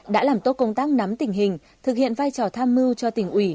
đã làm tốt công tác nắm tình hình thực hiện vai trò tham mưu cho tỉnh ủy